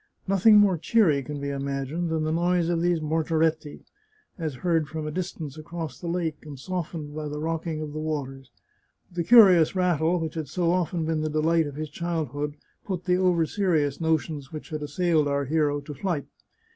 Nothing more cheery can be imagined than the noise of these mortaretti, as heard from a distance across the lake, and softened by the rocking of the waters. The curious rattle which had so often been the delight of his childhood put the overserious notions which had assailed our hero to flight.